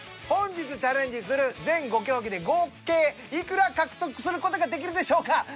本日チャレンジする全５競技で合計いくら獲得する事ができるでしょうか。